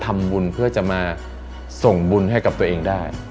แต่เราสามารถทำบุญเพื่อจะมาส่งบุญให้กับตัวเองได้แต่เราสามารถทำบุญเพื่อจะมาส่งบุญให้กับตัวเองได้